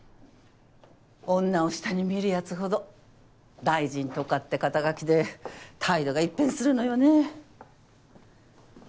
女を下に見るやつほど大臣とかって肩書で態度が一変するのよね。